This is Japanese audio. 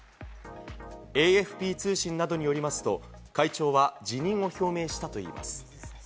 ＡＦＰ通信などによりますと、会長は辞任を表明したといいます。